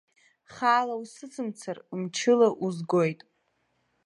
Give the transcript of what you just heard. Хаала усыцымцар, мчыла узгоит.